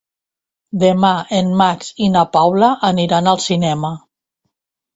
Demà en Max i na Paula aniran al cinema.